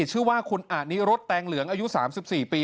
ชื่อว่าคุณอานิรสแตงเหลืองอายุ๓๔ปี